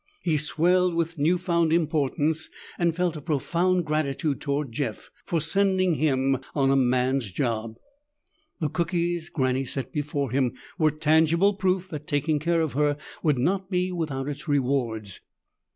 He swelled with newfound importance and felt a profound gratitude toward Jeff for sending him on a man's job. The cookies Granny set before him were tangible proof that taking care of her would not be without its rewards.